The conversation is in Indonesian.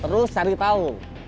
terus cari tahu